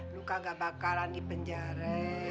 lu kagak bakalan di penjara